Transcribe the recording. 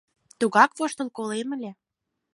— Тугак воштыл колем ыле.